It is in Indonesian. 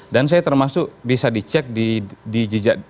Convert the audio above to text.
dan saya termasuk bisa dicek di jgk